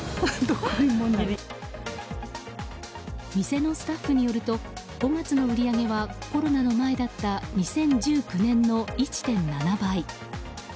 店のスタッフによると５月の売上はコロナの前だった２０１９年の１．７倍。